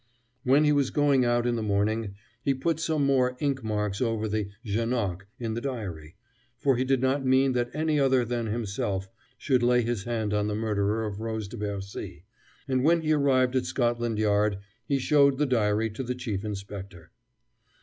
When he was going out in the morning, he put some more ink marks over the "Janoc" in the diary for he did not mean that any other than himself should lay his hand on the murderer of Rose de Bercy and when he arrived at Scotland Yard, he showed the diary to the Chief Inspector.